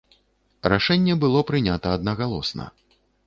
Рашэнне было прынята аднагалосна.